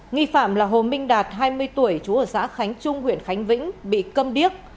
nghi phạm là hồ minh đạt hai mươi tuổi chú ở xã khánh trung huyện khánh vĩnh bị cầm điếc